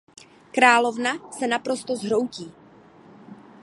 Královna se naprosto zhroutí.